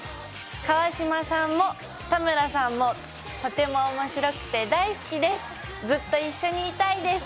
川島さんも田村さんもとても面白くて大好きです。